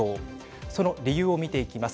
その理由を見ていきます。